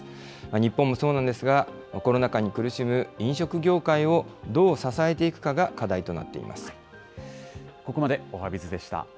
日本もそうなんですが、コロナ禍に苦しむ飲食業界をどう支えていくかが課題となっています。